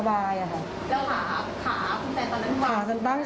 แล้วขาคุณแสนตอนนั้นว่า